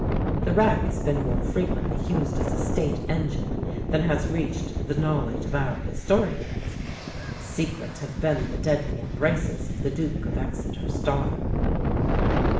The rack has been more frequently used as a state engine than has reached the knowledge of our historians: secret have been the deadly embraces of the Duke of Exeter's daughter.